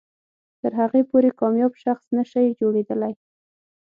تر هغې پورې کامیاب شخص نه شئ جوړېدلی.